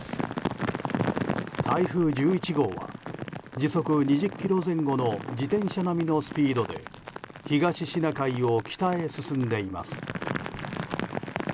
台風１１号は時速２０キロ前後の自転車並みのスピードで東シナ海を北へ進んでいます。